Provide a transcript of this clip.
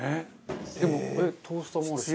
でもトースターもあるし。